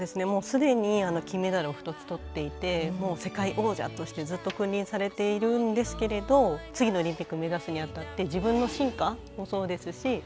もうすでに金メダルを２つ取っていて世界王者としてずっと君臨されているんですけれど次のオリンピックを目指すに当たって自分の進化もそうですし